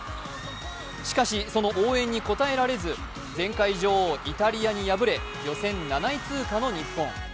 しかしその応援に応えられず前回女王・イタリアに敗れ予選７位通過の日本。